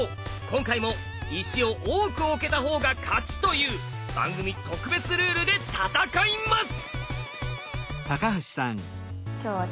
今回も「石を多く置けた方が勝ち」という番組特別ルールで戦います！